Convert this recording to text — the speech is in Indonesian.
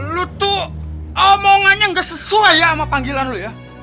lu tuh omongannya nggak sesuai ya sama panggilan lu ya